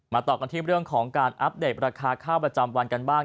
ต่อกันที่เรื่องของการอัปเดตราคาข้าวประจำวันกันบ้าง